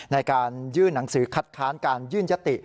ในการยื่นหนังสือคัดค้านการยื่นยติ